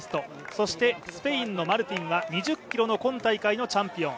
そしてスペインのマルティンは２０ｋｍの今大会のチャンピオン。